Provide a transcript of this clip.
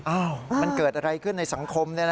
อ้าวมันเกิดอะไรขึ้นในสังคม